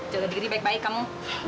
jaga diri baik baik kamu